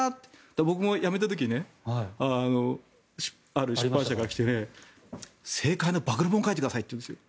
僕も辞めた時ある出版社がきて政界の暴露本を書いてくださいっていうんですよ。